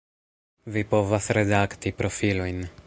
Vi povas redakti profilojn